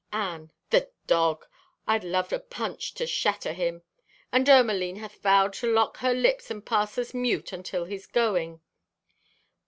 Anne.—"The dog! I'd love a punch to shatter him! And Ermaline hath vowed to lock her lips and pass as mute until his going."